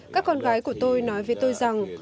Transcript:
các con gái của tôi nói với tôi rằng